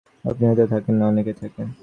আপনি হয়তো থাকেন না, অনেকেই থাকে।